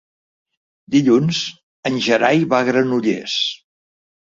Dilluns en Gerai va a Granollers.